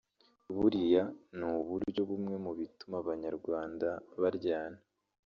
buliya ni uburyo bumwe mu bituma abanyarwanda baryana